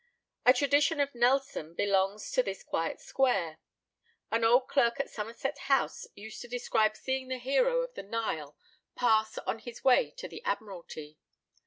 A tradition of Nelson belongs to this quiet square. An old clerk at Somerset House used to describe seeing the hero of the Nile pass on his way to the Admiralty.